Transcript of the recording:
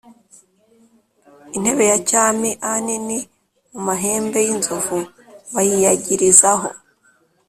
Intebe ya cyami a nini mu mahembe y inzovu b ayiyagirizaho